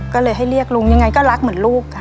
ก็เลยให้เรียกลุงยังไงก็รักเหมือนลูกค่ะ